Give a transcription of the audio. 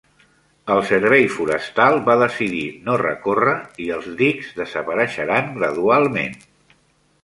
El Servei Forestal va decidir no recórrer i els dics desapareixeran gradualment.